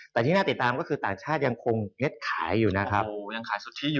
แต่ที่น่าติดตามก็คือต่างชาติยังคงเง็ดขายอยู่นะยังขายสุชิอยู่